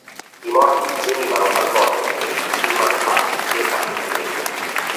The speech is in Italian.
I morti venivano talvolta inseriti in manufatti di pietra o di legno.